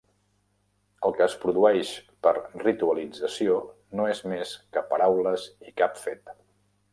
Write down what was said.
El que es produeix per ritualització no és més que paraules i cap fet.